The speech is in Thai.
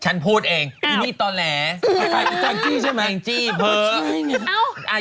ฉันพูดเองอินิดตอนแหละ